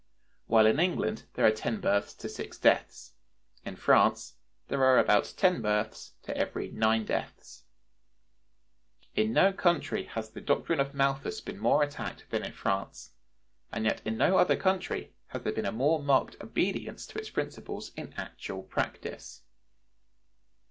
While in England there are ten births to six deaths, in France there are about ten births to every nine deaths.(127) In no country has the doctrine of Malthus been more attacked than in France, and yet in no other country has there been a more marked obedience to its principles in actual practice.